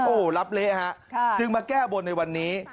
โอ้โหรับเละฮะจึงมาแก้บนในวันนี้